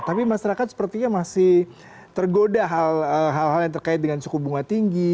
tapi masyarakat sepertinya masih tergoda hal hal yang terkait dengan suku bunga tinggi